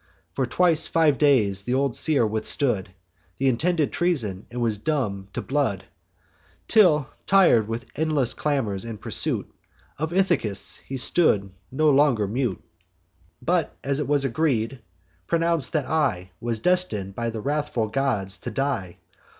For twice five days the good old seer withstood Th' intended treason, and was dumb to blood, Till, tir'd, with endless clamours and pursuit Of Ithacus, he stood no longer mute; But, as it was agreed, pronounc'd that I Was destin'd by the wrathful gods to die.